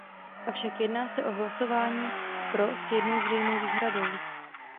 Avšak jedná se o hlasování pro s jednou zřejmou výhradou.